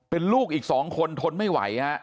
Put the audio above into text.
เป็นลูกอีก๒คนทนไม่ไหวฮะ